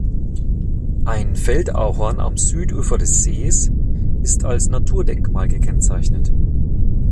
Ein Feldahorn am Südufer des Sees ist als Naturdenkmal gekennzeichnet.